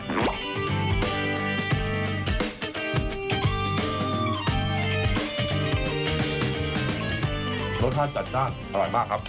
รสชาติจัดจ้านอร่อยมากครับ